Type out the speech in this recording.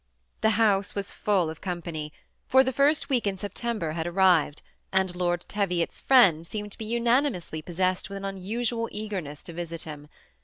The house was fall of company, for the first week m September had arrived, and Lord Teviot's friends seemed to be unanimously possessed with an unusual eagerness to visit him.